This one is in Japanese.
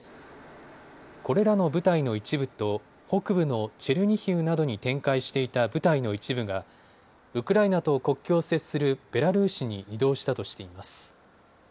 これらの部隊の一部と北部のチェルニヒウなどに展開していた部隊の一部がウクライナと国境を接するベラルーシに移動したとしています。